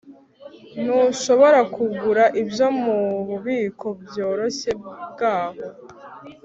Ntushobora kugura ibyo mububiko bworoshye bwaho